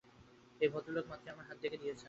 এই ভদ্রলোক মাত্রই আমার হাত দেখে দিয়েছেন।